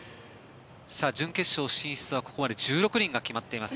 準決勝進出はここまで１６人が決まっています。